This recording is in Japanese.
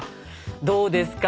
どうですか？